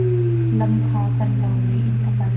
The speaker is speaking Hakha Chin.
Lam kha kan lo ri in a kal.